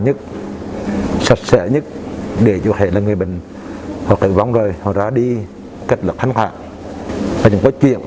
nhất sạch sẽ nhất để cho hãy là người bệnh hoặc vòng rời hoặc ra đi cách lực thanh hoạt thì có chuyện